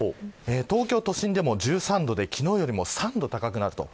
東京都心でも１３度で昨日より３度高くなります。